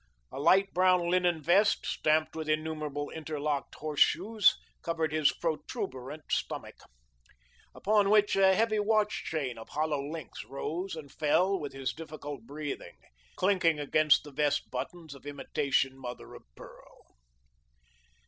A light brown linen vest, stamped with innumerable interlocked horseshoes, covered his protuberant stomach, upon which a heavy watch chain of hollow links rose and fell with his difficult breathing, clinking against the vest buttons of imitation mother of pearl.